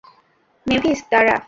Mavis, দাঁড়া!